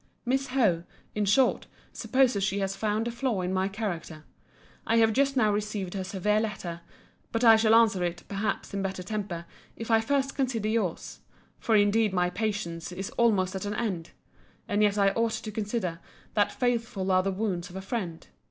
Miss Howe, in short, supposes she has found a flaw in my character. I have just now received her severe letter—but I shall answer it, perhaps, in better temper, if I first consider your's: for indeed my patience is almost at an end. And yet I ought to consider, that faithful are the wounds of a friend.